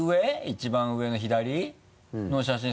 一番上の左の写真。